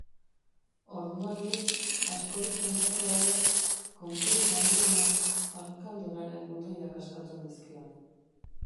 Orduan nik, askorik pentsatu gabe, konturik handienaz alkandoraren botoiak askatu nizkion.